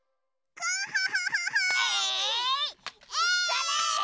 それ！